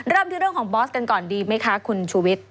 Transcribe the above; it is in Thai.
เริ่มที่เรื่องของบอสกันก่อนดีไหมคะคุณชุวิต